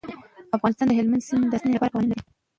افغانستان د هلمند سیند د ساتنې لپاره قوانین لري.